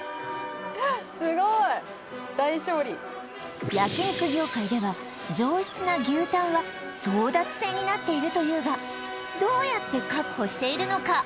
すごい！焼肉業界では上質な牛タンは争奪戦になっているというがどうやって確保しているのか？